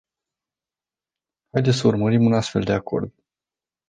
Haideți să urmărim un astfel de acord.